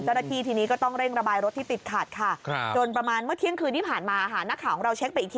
เจ้าหน้าที่ทีนี้ก็ต้องเร่งระบายรถที่ติดขาดค่ะ